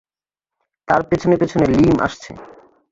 তাঁর পেছনে পেছনে লীম আসছে।